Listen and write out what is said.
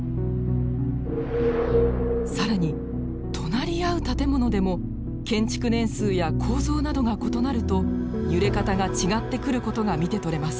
更に隣り合う建物でも建築年数や構造などが異なると揺れ方が違ってくることが見て取れます。